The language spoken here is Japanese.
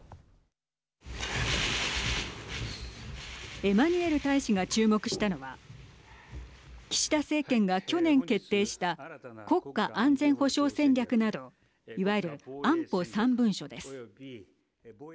エマニュエル大使が注目したのは岸田政権が去年決定した国家安全保障戦略などいわゆる安保３文書です。